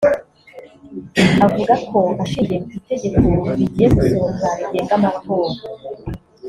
Avuga ko ashingiye ku itegeko rigiye gusohoka rigenga amatora